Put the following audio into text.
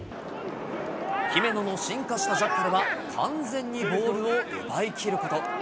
姫野の進化したジャッカルは、完全にボールを奪いきること。